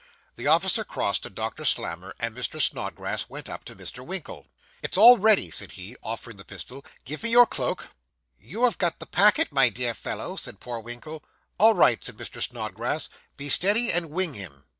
The officer crossed to Doctor Slammer, and Mr. Snodgrass went up to Mr. Winkle. 'It's all ready,' said he, offering the pistol. 'Give me your cloak.' 'You have got the packet, my dear fellow,' said poor Winkle. 'All right,' said Mr. Snodgrass. 'Be steady, and wing him.